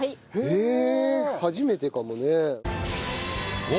へえ初めてかもね。